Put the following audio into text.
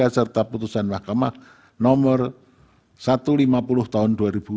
serta putusan mahkamah nomor satu ratus lima puluh tahun dua ribu dua puluh